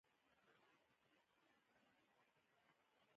زه هم ودرېدم.